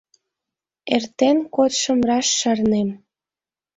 Эртен кодшым раш шарнем